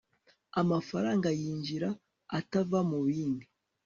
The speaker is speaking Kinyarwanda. amafaranga yinjira atava mu bandi